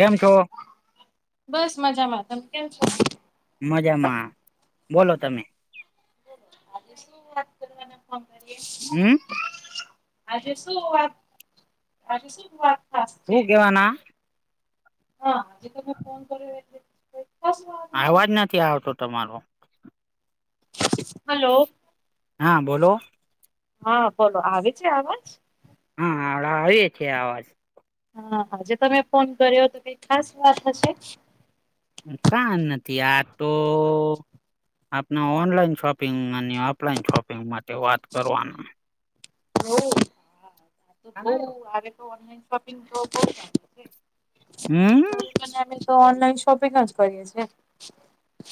કેમ છો? બસ મજામાં તમ કેમ છો. મજામાં બોલો તમે વાના મારી હમ [unintelligible] આજે શું વાત આજે શું વાત ખાસ છે શું કેવાના હા હજી તમેમે ફોન કરયો એ તે આવાજ નથી આવતો તમારો હલો હા બોલો હા બોલો આવે છે આવાજ હમ્મ, હાડ આવી કે આવાજ? હા, આજે તમે ફોન કર્યો તો કંઈ ખાસ વાત હશે. કાન નથી આ તો આપના ઓનલાઈન શોપિંગ અને ઓફલાઈન શોપિંગ માટે વાત કરવાનું. હવ આ તો બઉ આવે તો ઓનલાઈન શોપિંગ તો બઉ હમ [inaudible] અમે તો [inaudible] ઓનલાઈન શોપિંગ જ કરીએ છે.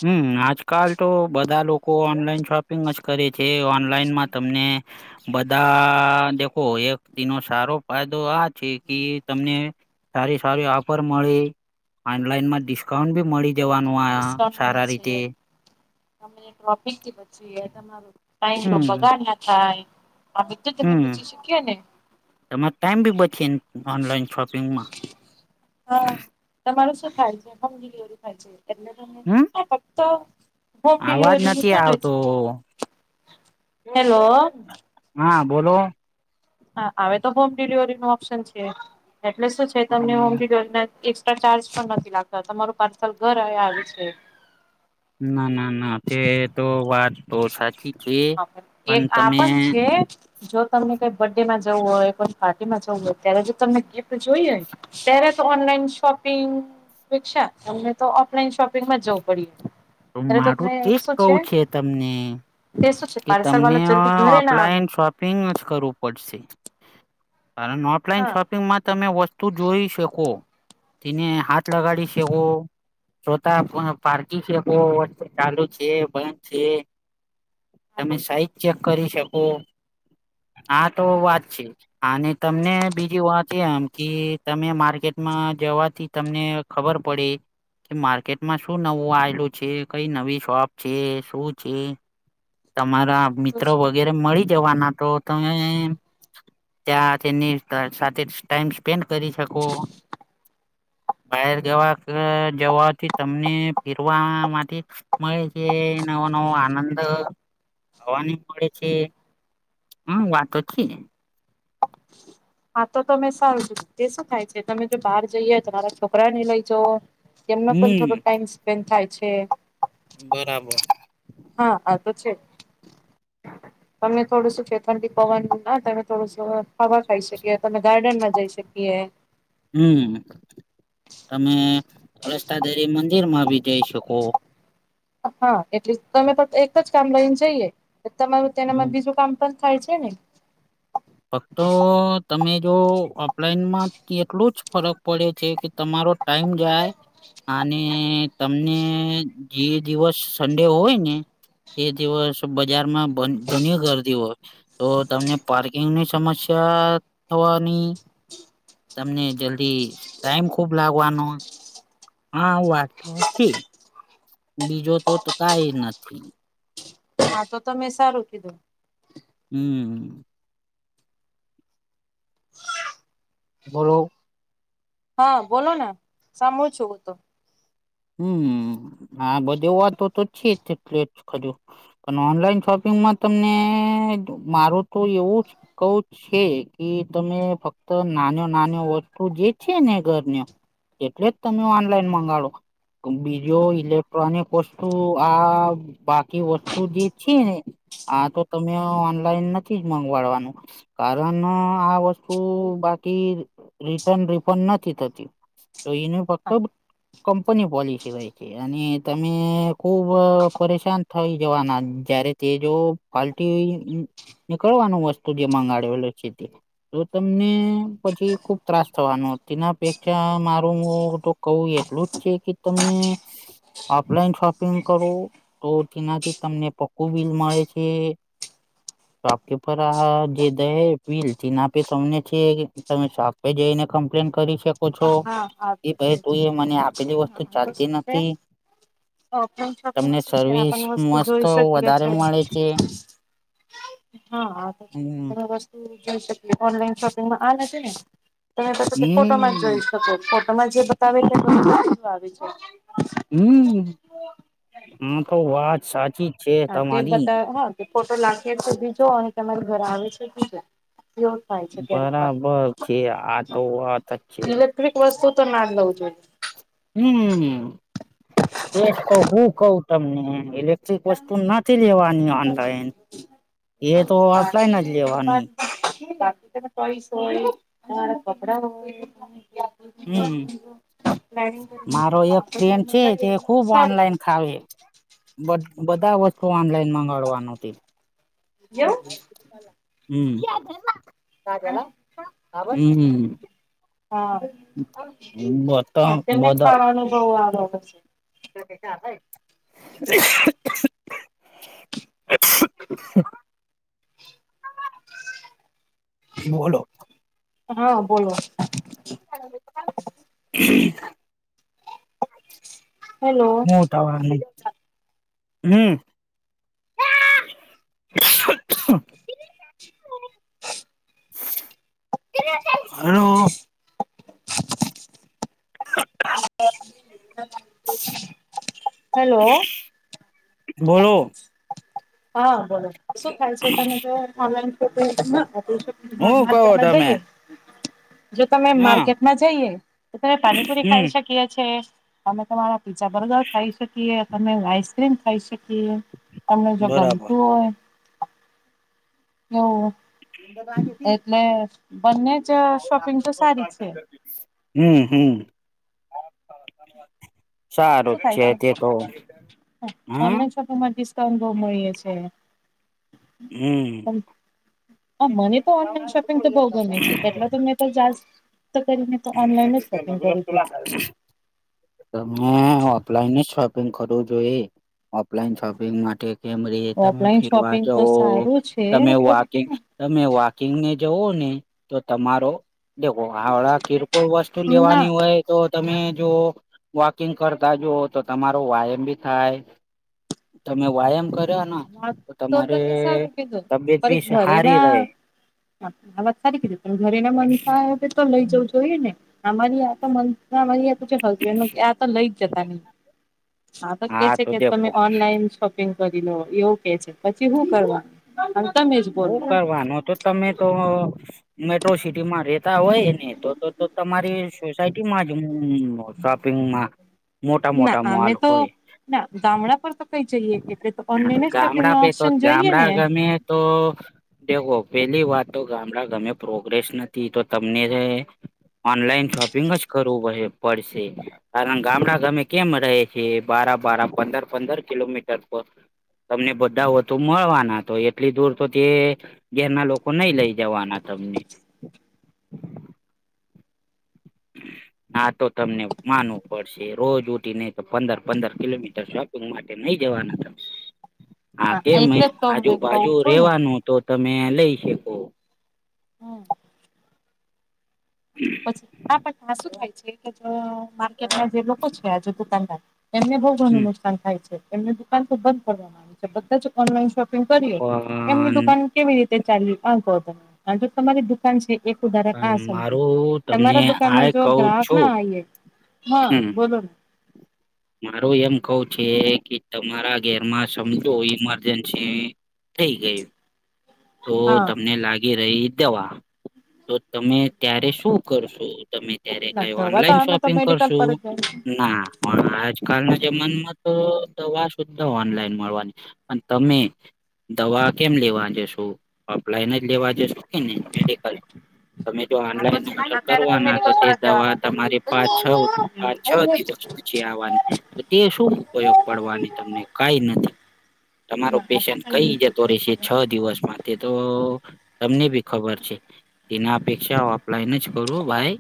હમ્મ, આજકાલ તો બધા લોકો ઓનલાઈન શોપિંગ જ કરે છે ઓનલાઈનમાં તમને બધા દેખો એક તેનો સારો ફાયદો આ છે કી તમને સારી સારી ઓફર મળી, ઓનલાઈનમાં ડિસ્કાઉન્ટ ભી મળી જવાનું આ. ડિસ્કાઉન્ટ મળે સારા રીતે છે તમે ટ્રોફિકથી બચીએ તમારું ટાઈમનો બગાડ ના થાય. આ બધું તમે હમ્મ, બચી શકીએ ને તમાર ટાઈમ બી બચી ઓનલાઈન શોપિંગમાં. હા તમારું શું ખ્યાલ છે? હોમ ડિલિવરી થાય છે. હ હમ તબ તો હોમ અવાજ નથી ડલિવરીનું આવતો [inaudible] હા, બોલો. હા અવે તો હોમ ડિલિવરીનો ઓપ્શન છે એટલે શું છે તમને હોમ ડિલવરીના એ ચાર્જ પણ નથી લાગતા તમારું પાર્સલ ઘરેય આવે છે. ના ના ના, તે તો વાત તો સાચી છે પણ એક આ તમે પણ છે જો તમને કઈ બર્થડેમાં જવું હોય, કોઈ પાર્ટીમાં જવું હોય ત્યારે જો તમને ગિફ્ટ જોઈએ ને ત્યારે જ ઓનલાઈન શોપિંગ. વીછા અમને તો ઓફલાઈન શોપિંગમાં જ જવું પડયું. તો મારું તે જ કઉ છે તમને તે શું છે કે પાર્સલ તમને વાળા અ જલ્દી ઘરે ના ઓફલાઈન આવ્યું શોપિંગ જ કરવું પડશે કારણ ઓફલાઈન હા શોપિંગમાં તમે વસ્ તું જોઈ શકો. તેને હાથ લગાડી શકો શોતા પારકી શકો. કો ચાલુ છે, બંધ છે આ તમે તો છે સાઈઝ ચે ક જ કરી શકો. આ તો વાત છે અને તમને બીજી વાત એમ કે તમે માર્કેટમાં જવાથી તમને ખબર પડી. કે માર્કેટમાં શું નવું આયલું છે, કંઈ નવી શોપ છે, શું છે. તમારા આ તો મિત્ર છે વગેરે મળી જવાના તો તમે ત્યાં તેની સાથે ટાઈમ સ્પેન્ડ કરી શકો. બહાર જવા જવાથી તમને ફીરવામાથી મળે કે નવો-નવો આનંદ. થવાની મળે છે હમ્મ વાત અચ્છી હે. આ તો તમે સારું કીધું, તે શું થાય છે તમે જો બહાર જઈએ તમારા છોકરાને લઈ જાઓ. તેમનો પણ હમ થોડો ટાઈમ સ્પેન્ડ થાય છે. બરાબર. હા હા તો છે, તમે થોડું સુંચવે ઠંડી પવન ના તમે થોડુંસુ ખાવા ખાઈ શકીએ તમે ગાર્ડનમાં જઈ શકીએ, હમ્મ તમે રસ્તાદેરી મંદિર માં બી જઈ શકો, હા એટલીસ્ટ તમે તો એક જ કામ લઈન જઈએ તમારું હમ તેનામાં બીજું કામ પન થાય છે ને. ફક્ત તમે જો ઓફલાઈનમાં કેટલું જ ફરક પડે છે કે તમારો ટાઈમ જાય. હા અને તમને જે દિવસ સન્ડે હોય ને કે તે દિવસ બજારમાં બ ઘની ગરદી હોય તો તમને પાર્ક એમની સમસ્યા થવાની. તમને જલ્દી ટાઈમ ખુબ લાગવાનો, [unintelligible] બીજો તો કાઈ નથી. હા, તો તમે સારું કીધું. હમ્મ બોલો હા બોલો ને સાંભળું છું હું તો હમ્મ હા બધી વાતો તો છે, જ પલે ખજું પણ ઓનલાઈન શોપિંગમાં તમને મારું તો એવું જ કઉ છે કે તમે ફક્ત નાન નાન વસ્તુ જે છે, ને ઘર્યો એટલે જ તમે ઓનલાઈન મંગાડો બીજો ઇલેક્ટ્રોનિક વસ્તુ આ બાકી વસ્તુ જે છે ને આ તો તમે ઓનલાઈન નથી જ મંગવાડવાનું, કારણ આ વસ્તુ બાકી રિટન રિફંડ નથી થતી, તો એને ફક્ત [unintelligible] અને તમે ખુબ પરેશાન થઈ જવાના, જયારે તે જો કાલથી નીકળવાનું વસ્તુ જે મંગાડેલ [unintelligible] તો તમને પછી ખુબ ત્રાસ થવાનો તેના અપેક્ષા મારું હુ તો કહું એટલુંજ છે કે તને ઓફલાઈન શોપિંગ કરો તો તેનાથી તમને પક્કું બિલ મળે છે. વાક્ય પર આ જે દહે પીલ તે નાપે તમને છે, તમે પ જઈને કમ્પ્લેન કરી શકો છો હા આ એ તો છે ભાઈ જ તું એ મને આપેલી વસ્તુ આ તો ચાલતી શું છે નથી, ઓફલાઈન શોપિંગ તમને સુ છે, સર્વિસ આપની વસ્તુ મસ્ત જોઈ શકીયે વધારે છે મળે છે હ હા હમ [unintelligible] વસ્તુ જોઈ શકીયે ઓનલાઈન શોપિંગમાં આ નથી ને તેતો [unintelligible] ફોટોમાંજ જોઈ. હમ તો ફોટોમાં જે બતાવે છે આવે છે હમ્મ ઈતો વાત સાચી જ હા તે બતા હા તે ફોટો લાખે તોદીજો અને તમારી ઘર આવે છે, [unintelligible] ક્યારેક વાર બરાબર છે આતો વાતજ છે, ઇલેક્ટ્રિક વસ્તુ તો નાજ લવં જોઈએ હમ્મ એક તો હું કવ તમને એટલે વસ્તુ નથી લેવાની ઓનલાઈન એ તો ઓફલાઈન જ લેવાની, બાકી તને પઈસ હોય તમારા કપડા હોય હમ્મ હ પ્લાનિંગ મારો એક કરીને ફ્રેન્ડ છે તે મંગાવીએ તો ખુબ સારું છે ઓનલાઈન થાય હે બધા વસ્તુ ઓનલાઈન મંગાડવાનું હતી. એવું હમ્મ [unintelligible] હમ્મ હા, બધા તેમને બધા ખાવાનું બવ આવ હશે. બોલો. હા બોલો. હેલો [unintelligible] હું ઉતાવળ લી હમ્મ [unintelligible] હલો, [unintelligible] હેલો, બોલો હા. શું થાય છે તમે હું કહો [inaudible] તમે જઈએ. જો તમે હા માર્કેટમાં જઈએને તો તમે પાણીપુરી હમ ખાઈ શકીએ છે. અમે તમારા પી્ઝા બર્ગર ખાઈ શકીએ, તમે આઈસક્રીમ ખાઈ શકીએ તમે ગમતું બરાબર તો. એટલે બંનેજ શોપિંગ તો સારી છે. હમ્મ હમ્મ. શું સારુંજ થાય છે તે તો, હમ્મ? માં ડિસ્કાઉન્ટ બહુ મળીએ છે. હમ્મ. હા મને તો ઓનલાઈન શોપિંગ તો બહુ ગમે છે એટલે તો મેં તો જા તો કમ મેં તો ઓનલાઈન જ શોપિંગ કરવી જોએ. તમે ઓફલાઈન જ શોપિંગ કરવું જોએ. ઓફલાઈન શોપિંગ માટે કેમ રે તમે ઓફલાઈન ફેરવા શોપિંગ જવ તો સારું છે તમે વકંગ પણ તમે વોકિંગને જઓ ને તો તમારો દેખો હાળા કિરક કો વસ્ તું ના લેવાની હોય તો તમે જો વોકિંગ કરતા જુઓ તો તમારો વ્યાયામ ભી થાય. તમે વ્યાયામ કર્યો તો તમારે તબિયત બી સા ના, હાલત સારી કીધી પણ ઘરે ના માનસા તો લઈ જવું જોઈએ ને અમારી આ તો મન [unintelligible] આ તો લઈ જ જતા નહી આ તો કે હા છે કે તમે દેખો ઓનલાઈન શોપ પિંગ કરી લો એવું કે છે પછી શું કરવાનું? તમે જ હું બોલો કરવાનું તો તમે તો મેટ્રો સિટીમાં રે તા હોયને તો તો તમારી સોસાયટીમાં જ હું સોપિંગમાં મોટા ના મોટા અમે માલક તો હોય. ના ગામડા પર તો કઈ જઈએ એટલે તો ઓનલાઈન શોપિંગ ગામડા ના પે તો ઓપ્શન જોઈએ ગામડા ને. ગમે તો પેલી વાત તો ગામડા ગમે પ્રોગ્રેસ નથી તો તમને ઓનલાઈન શોપિંગ જ કરવું પડ પડશે. કારણ ગામડા ગામે કેમ રહે કે બારા બારા પંદર પંદર કિલોમીટર પર. તમને બધા વધુ મળવાના તો એટલી દૂર તો તે ઘેરના લોકો નહી લઈ જવાના તમને. આ તો તમને માનવું પડશે રોજ ઉઠી ને તો પંદર પંદર કિલોમીટર સ્વા માટે નહી જવાના. તમે હા કેમ એટલે જ તો મેં કઉ આજુબાજુ છું ને રેવાનું. તો તમે લઈ શકો. હમ્મ. પછી હા શું થાય છે કે માર્કેટમાં જે લોકો છે આજુ દુકાનદાર. એમને બહુ હમ ઘણું નુકસાન થાય છે એમને દુકાન તો બંધ કરવાવામાં આવે છે. બધા જ ઓનલાઈન શોપિંગ કરીએ, એમની પણ દુકાન કેવી રીતે ચાલ્યું આ કહો તમે આ જો તમારી દુકાન છે એક ઉધારક પણ આ સમજી. મારું તમને તમારા આ દુકાનમાં જો કવ ગ્રાહક ને છું આે હા હમ બોલો ને મારું એમ કવ છે કે તમારા ઘરમાં સમજો ઈમરજન્સી થઈ ગય તો હા તમને લાગી રહી. દવા તો તમે ત્યારે શું કરશો તમે ત્યારે ના કઈ દવા તો ઓનલાઈન અમે તો શોપિંગ મેડિકલ કરશું? પર જ જાય છે. ના. પણ આજકાલના જમાનામાં તો દવા સુ્ધા ઓનલાઈન મળવાની પણ તમે દવા કેમ લેવા જશુ ઓપલાઈન જ લેવા જશુ કે નહી મેડિકલ. તમે જો ઓનલાઈન ઓર્ડર અત્યારે કરવાના તો મેડિકલ તે પર જ દવા તમારી પાચ છ પાચ જવાના છ દીધો. પછી આવવાની તો તે શું ઉપયોગ પડવાની તમને કઈ નથી. તમારો પેશન્ટ કઈઈ જતો રશે છ દિવસ તે તો તમને ભી ખબર છે. તના અપેક્ષા ઓફલાઈન જ કરું ભાઈ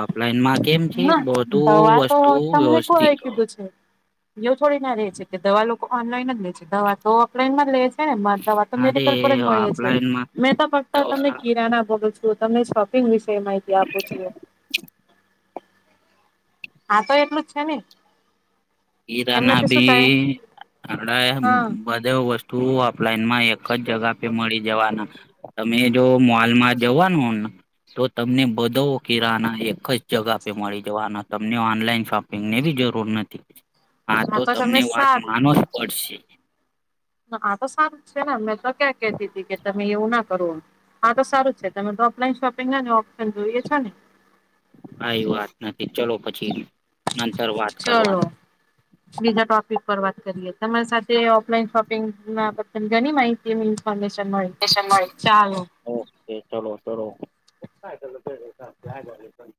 ઓફલાઈન મા ના હ આ તો તમને કો એ વ્યવસ્થિત કીધું છે. એવ થોડી ના રહે છે કે દવા લોકો ઓનલાઈન જ લે છે, દવા તો ઓફલાઈનમાં જ લે મારે દવા તો અરે મેડિકલ પર જ મળીએી ઓફલાઈનમાં મેં તોક્ તો તમને કિરાના બોલું છું તમને શોપિંગ વિશે માહિતી આપું છુ. આા તો એટલું જ છેને ીરાના થાય ભી આપડા હા બધે વસ્તુ ઓફલાઈન માં એક જ જગા પે મળી જવાના તમે જો મોલમાં જવાનું હોમન તો તમને બધા કિરાના એક જ જગા પે મળી જવાના તમને ઓનલાઈન શોપ ને બી જરૂર નથી, આ તો હા તમને તમે વાત સારું માનો જ કીધું. પડશે આ તો સારું છે, ને મેં તો ક્યાં કતી હતીી કે તમે એવું ના કરો હા તો સારું છે તમે તો ઓફલાઈન શોપિંગ ને ને ઓપ્શન જોઈએ છો, ને કઈ વાત નથી ચલો પછી નંતર વાત ચલો. કરવાનુ બીજા ટોપિક પર વાત કરીએ તમારી સાથે ઓફલાઈન શોપિંગ ના બલ ઘણી માહિતી એઇન્ફોમેશન મળ એશ મળ ઓકે ચાલો કરો